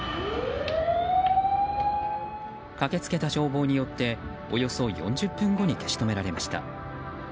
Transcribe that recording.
駆けつけた消防によっておよそ４０分後に消し止められました。